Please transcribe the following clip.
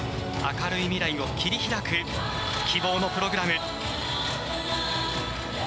明るい未来を切り開く希望のプログラム。